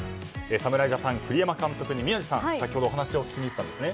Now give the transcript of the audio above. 侍ジャパン栗山監督に宮司さん、先ほどお話を聞きに行ったんですね？